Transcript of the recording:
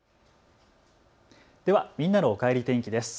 ではみんなのおかえり天気です。